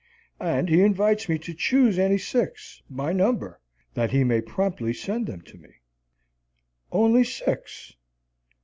And he invites me to choose any six, by number, that he may promptly send them to me. Only six!